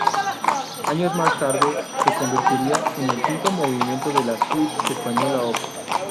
Años más tarde se convertiría en el quinto movimiento de la "Suite española Op.